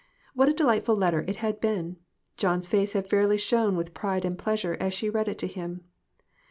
What a delightful letter it had been! John's face had fairly shone with pride and pleas ure as she read it to him.